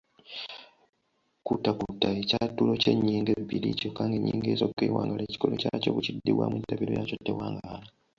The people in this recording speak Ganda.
kuutakuuta:Ekyatulo eky’ennyingo ebbiri kyokka ng’ennyingo esooka ewangaala, ekikolo kyakyo bwe kiddibwamu entabiro yaakyo tewaangaala.